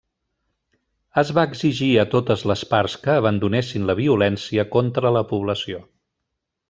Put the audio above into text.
Es va exigir a totes les parts que abandonessin la violència contra la població.